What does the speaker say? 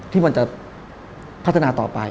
ที่มันจะพัฒนาต่อไป